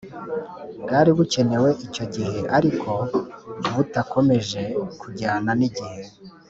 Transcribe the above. Bwari bukenewe icyo gihe ariko butakomeje kujyana n’igihe